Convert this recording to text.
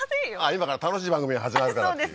今から楽しい番組が始まるからっていう？